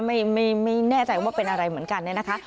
ไม่แน่ใจว่าเป็นอะไรเหมือนกันเนี่ยนะคะ